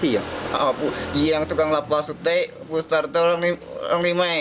yang tukang lapas itu buster itu orang lima